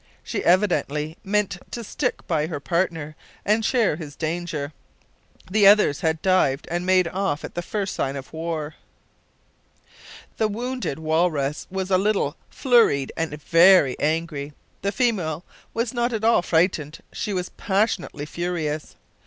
She evidently meant to stick by her partner and share his danger. The others had dived and made off at the first sign of war. The wounded walrus was a little flurried and very angry; the female was not at all frightened, she was passionately furious!